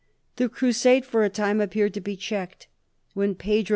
The crusade for a time appeared to be checked, when Pedro II.